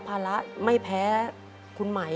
จริงแล้วนี่